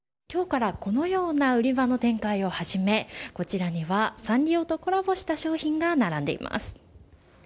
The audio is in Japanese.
きょうからこのような売り場の展開を始め、こちらには、サンリオとコラボした商品が並んでいます。